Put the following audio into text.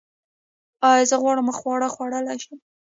ایا زه غوړ خواړه خوړلی شم؟